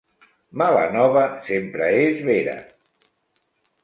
Mala nova sempre és vera.